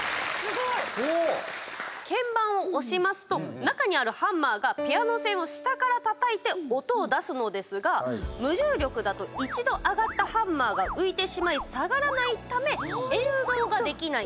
鍵盤を押しますと中にあるハンマーがピアノ線を下からたたいて音を出すのですが無重力だと一度上がったハンマーが浮いてしまい、下がらないため演奏ができない。